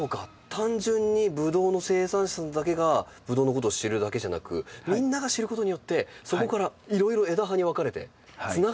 単純にブドウの生産者さんだけがブドウのことを知るだけじゃなくみんなが知ることによってそこからいろいろ枝葉に分かれてつながっていくということですね。